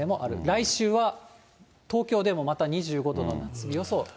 来週は東京でもまた２５度の夏日予想。